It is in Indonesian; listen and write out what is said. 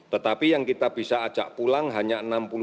tetapi yang kita bisa ajak pulang hanya enam puluh